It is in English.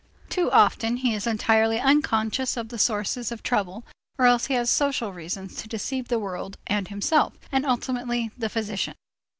Too often he is entirely unconscious of the sources of trouble or else he has social reasons to deceive the world and himself, and ultimately the physician.